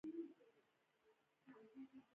صنعت فابریکې رامنځته کولې.